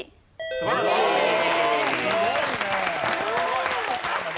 すごいね。